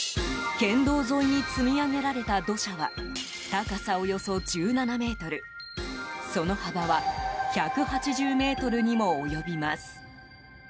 県道沿いに積み上げられた土砂は高さおよそ１７ｍその幅は１８０ｍにも及びます。